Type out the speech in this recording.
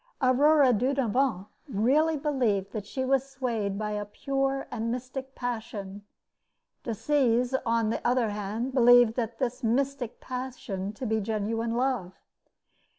Aurore Dudevant really believed that she was swayed by a pure and mystic passion. De Seze, on the other hand, believed this mystic passion to be genuine love.